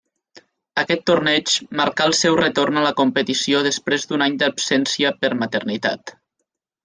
Aquest torneig marcà el seu retorn a la competició després d'un any d'absència per maternitat.